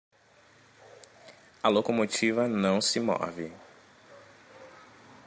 A locomotiva não se move